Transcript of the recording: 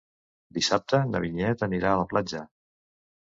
Dissabte na Vinyet anirà a la platja.